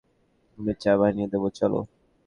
আমি চা বানিয়ে দেব, চলো।